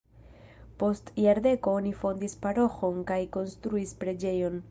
Post jardeko oni fondis paroĥon kaj konstruis preĝejon.